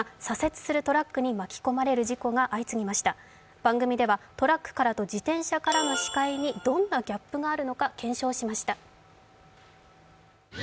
番組ではトラックからと自転車からの司会にどんなギャップがあるのか検証しました。